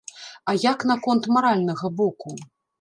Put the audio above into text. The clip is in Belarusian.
А як наконт маральнага боку?